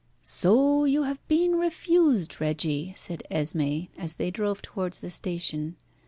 "So you have been refused, Reggie," said Esmé, as they drove towards the station.